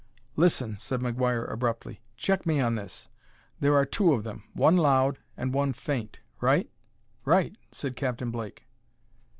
"Listen," said McGuire abruptly. "Check me on this. There are two of them, one loud and one faint right?" "Right," said Captain Blake.